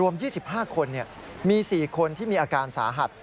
๒๕คนมี๔คนที่มีอาการสาหัส